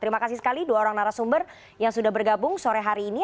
terima kasih sekali dua orang narasumber yang sudah bergabung sore hari ini